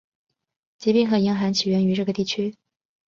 疾病和严寒起源于这个地区。